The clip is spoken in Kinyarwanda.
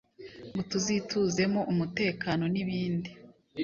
Ngo tuyituzemo umutekano nibindi